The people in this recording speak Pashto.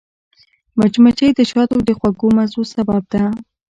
مچمچۍ د شاتو د خوږو مزو سبب ده